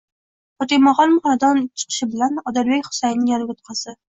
Fotimaxonim xonadan chiqshi bilan Odilbek Xusayinni yoniga o'tqazdi?